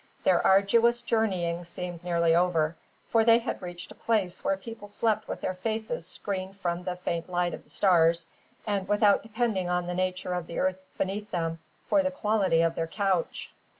Their arduous journeying seemed nearly over; for they had reached a place where people slept with their faces screened from the faint light of the stars, and without depending on the nature of the earth beneath them for the quality of their couch.